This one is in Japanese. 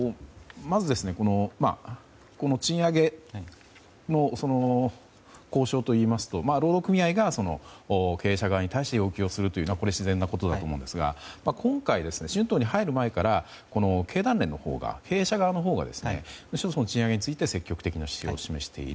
まず賃上げの交渉といいますと労働組合が経営者側に対して要求をするというのが自然なことだと思うんですが今回、春闘に入る前から経営者側のほうが賃上げについて積極的な姿勢を示している。